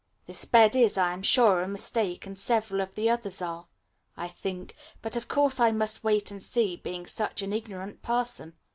This bed is, I am sure, a mistake, and several of the others are, I think, but of course I must wait and see, being such an ignorant person.